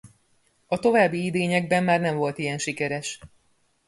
A további idényekben már nem volt ilyen sikeres.